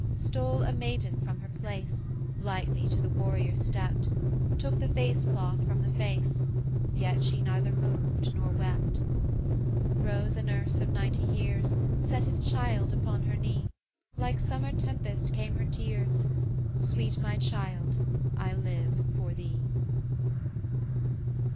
Stole a maiden from her place, Lightly to the warrior stept, Took the face cloth from the face; Yet she neither moved nor wept. Rose a nurse of ninety years, Set his child upon her knee Like summer tempest came her tears 'Sweet my child, I live for thee.'